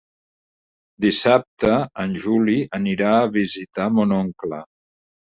Dissabte en Juli anirà a visitar mon oncle.